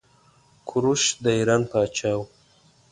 کوروش د ايران پاچا وه.